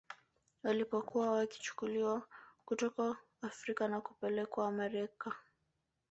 Walipokuwa wakichukuliwa kutoka Afrika na kupelekwa Amerika